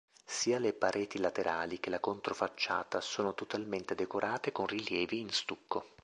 Sia le pareti laterali che la controfacciata sono totalmente decorate con rilievi in stucco.